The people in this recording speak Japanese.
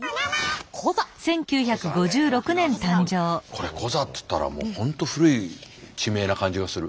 これコザって言ったら本当古い地名な感じがする。